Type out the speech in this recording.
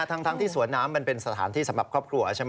ทั้งที่สวนน้ำมันเป็นสถานที่สำหรับครอบครัวใช่ไหม